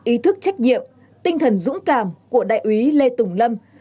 ý thức trách nhiệm tinh thần dũng cảm của đại úy lê tùng lâm